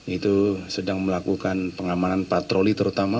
itu sedang melakukan pengamanan patroli terutama